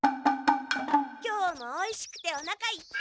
今日もおいしくておなかいっぱい！